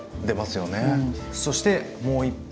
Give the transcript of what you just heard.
そしてもう１品。